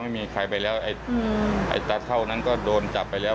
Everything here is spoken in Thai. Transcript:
ไม่มีใครไปแล้วไอ้ตาเท่านั้นก็โดนจับไปแล้ว